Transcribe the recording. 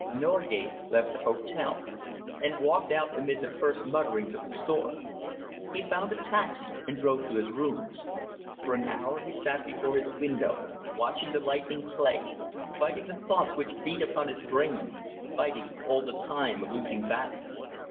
Norgate left the hotel and walked out amid the first mutterings of the storm. He found a taxi and drove to his rooms. For an hour he sat before his window, watching the lightning play, fighting the thoughts which beat upon his brain, fighting all the time a losing battle.